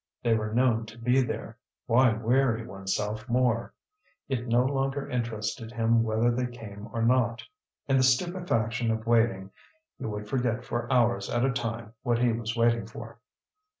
They were known to be there; why weary oneself more? It no longer interested him whether they came or not. In the stupefaction of waiting he would forget for hours at a time what he was waiting for.